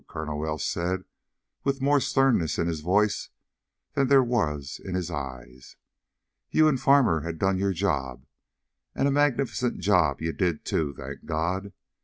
Colonel Welsh said with more sternness in his voice than there was in his eyes. "You and Farmer had done your job, and a magnificent job you did, too, thank God!